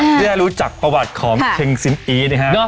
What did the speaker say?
ที่จะรู้จักประวัติของเทงซิมอี้นะฮะ